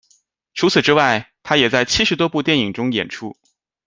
除此之外，他也在七十多部电影中演出。